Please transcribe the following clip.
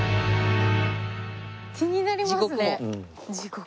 気になりますね地獄。